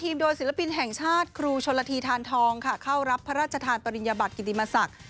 โดยศิลปินแห่งชาติครูชนละทีทานทองค่ะเข้ารับพระราชทานปริญญบัติกิติมศักดิ์